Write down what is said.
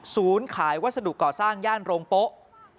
ขายวัสดุก่อสร้างย่านโรงโป๊ะ